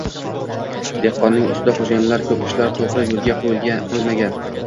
– dehqonning ustida xo‘jayinlar ko‘p, ishlar to‘g‘ri yo‘lga qo‘yilmagan.